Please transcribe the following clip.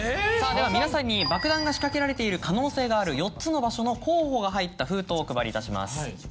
さぁでは皆さんに爆弾が仕掛けられている可能性がある４つの場所の候補が入った封筒をお配りいたします。